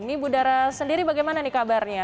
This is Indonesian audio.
ini budara sendiri bagaimana nih kabarnya